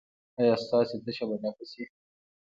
ایا ستاسو تشه به ډکه شي؟